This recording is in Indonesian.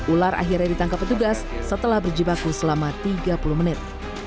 ular akhirnya ditangkap petugas setelah berjibaku selama tiga puluh menit